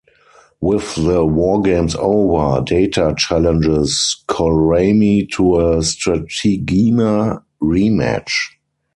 With the wargames over, Data challenges Kolrami to a Strategema rematch.